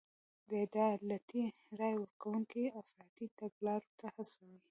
بې عدالتۍ رای ورکوونکي افراطي تګلارو ته هڅوي.